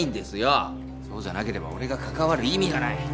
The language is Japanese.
そうじゃなければ俺が関わる意味がない。